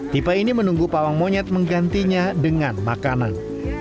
tipe ini menunggu pawang monyet menggantinya dengan makanan